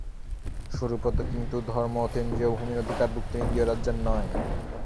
স্বরূপত কিন্তু ধর্ম অতীন্দ্রিয় ভূমির অধিকারভুক্ত, ইন্দ্রিয়-রাজ্যের নয়।